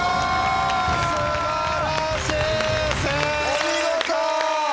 お見事！